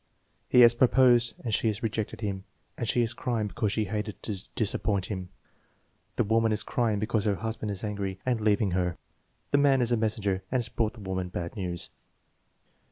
"He has proposed and she has rejected him, and she is crying because she hated to disappoint him." "The woman is crying because her husband is angry and leaving her." "The man is a messenger and has brought the woman bad news."